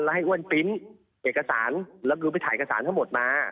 แล้วให้อ้วนปริ้นต์เอกสารรับรู้ไปถ่ายเอกสารทั้งหมดมา